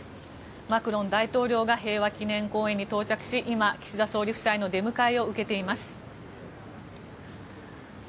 マクロン大統領が平和記念公園に到着し今、岸田総理夫妻の出迎えを受けています。